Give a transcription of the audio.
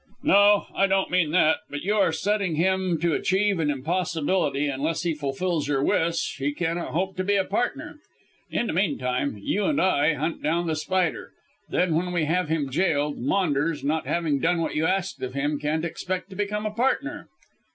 "No, I don't mean that. But you are setting him to achieve an impossibility, and unless he fulfils your wish he cannot hope to be a partner. In the meantime, you and I hunt down The Spider. Then when we have him jailed, Maunders, not having done what you asked of him, can't expect to become a partner."